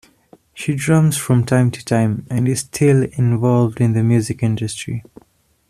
She drums from time to time and is still involved in the music industry.